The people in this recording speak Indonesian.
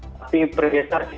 tapi bergeser sekarang media sosial